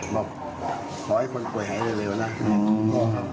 บอกขอให้คนป่วยหายเร็วนะ